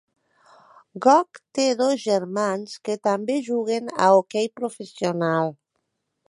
Goc té dos germans que també juguen a hoquei professional.